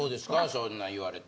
そんなん言われて。